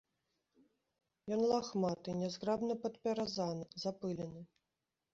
Ён лахматы, нязграбна падпяразаны, запылены.